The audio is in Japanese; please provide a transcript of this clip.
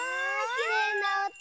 きれいなおと！